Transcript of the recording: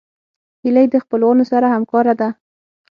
هیلۍ د خپلوانو سره همکاره ده